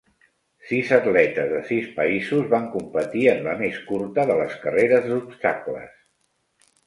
Sis atletes de sis països van competir en la més curta de les carreres d'obstacles.